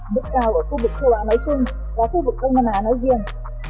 mức cao ở khu vực châu á nói chung và khu vực đông nam á nói riêng